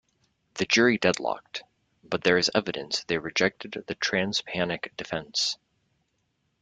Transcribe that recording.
The jury deadlocked, but there is evidence they rejected the trans-panic defense.